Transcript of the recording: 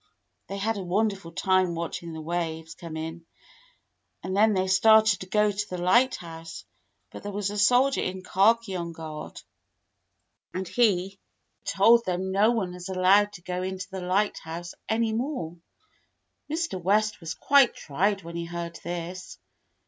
They had a wonderful time watching the waves come in, and then they started to go to the lighthouse, but there was a soldier in khaki on guard, and he told 98 THE BLUE AUNT them no one was allowed to go into the lighthouse any more. Mr. West was quite tried when he heard this.